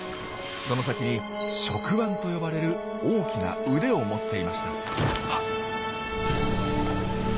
その先に「触腕」と呼ばれる大きな腕を持っていました。